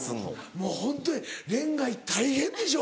もうホントに恋愛大変でしょ。